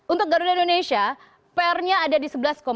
untuk garuda indonesia pr nya ada di sebelas tujuh